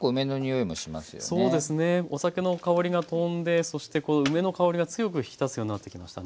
お酒の香りがとんでそしてこの梅の香りが強く引き立つようになってきましたね。